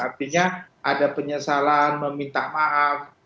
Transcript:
artinya ada penyesalan meminta maaf